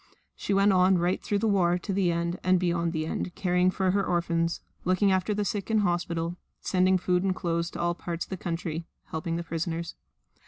She went on right through the war to the end and beyond the end, caring for her orphans, looking after the sick in hospital, sending food and clothes to all parts of the country, helping the prisoners.